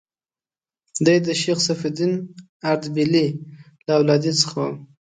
دی د شیخ صفي الدین اردبیلي له اولادې څخه و.